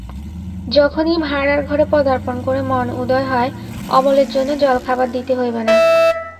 যখনই ভাঁড়ারঘরে পদার্পণ করে মনে উদয় হয়, অমলের জন্য জলখাবার দিতে হইবে না।